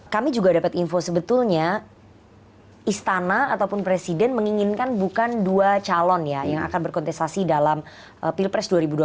kami juga dapat info sebetulnya istana ataupun presiden menginginkan bukan dua calon ya yang akan berkontestasi dalam pilpres dua ribu dua puluh